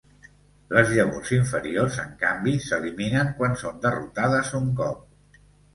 Les llavors inferiors, en canvi, s'eliminen quan són derrotades un cop.